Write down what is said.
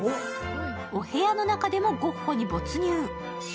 お部屋の中でもゴッホに没入。